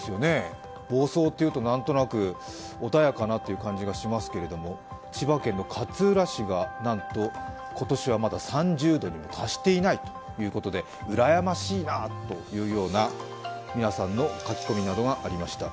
房総というと、なんとなく穏やかなという感じがしますけども、千葉県の勝浦市が、なんと今年はまだ３０度に達していないということで、うらやましいなというような、皆さんの書き込みなどがありました。